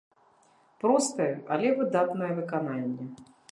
Простае, але выдатнае выкананне.